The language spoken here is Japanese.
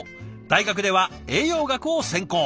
大学では栄養学を専攻。